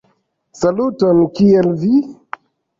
Saluton kiel vi?